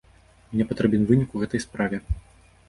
Мне патрэбен вынік у гэтай справе.